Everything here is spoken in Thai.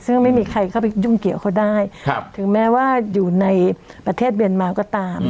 ซึ่งไม่มีใครเข้าไปยุ่งเกี่ยวเขาได้ถึงแม้ว่าอยู่ในประเทศเมียนมาก็ตาม